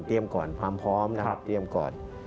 เตรียมก่อนพร้อมเตรียมก่อน